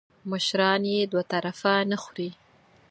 مشران یې دوه طرفه نه خوري .